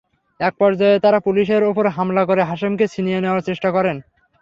একপর্যায়ে তাঁরা পুলিশের ওপর হামলা করে হাশেমকে ছিনিয়ে নেওয়ার চেষ্টা করেন।